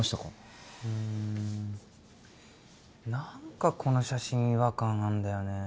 うーん何かこの写真違和感あんだよね。